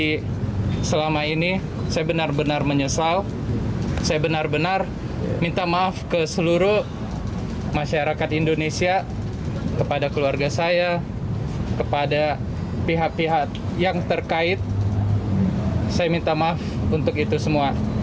jadi selama ini saya benar benar menyesal saya benar benar minta maaf ke seluruh masyarakat indonesia kepada keluarga saya kepada pihak pihak yang terkait saya minta maaf untuk itu semua